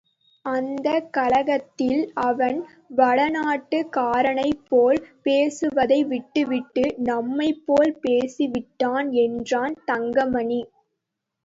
அந்தக் கலக்கத்தில் அவன் வடநாட்டுக் காரனைப் போல் பேசுவதை விட்டுவிட்டு நம்மைப் போலப் பேசிவிட்டான் என்றான் தங்கமணி.